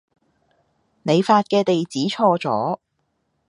你發嘅地址錯咗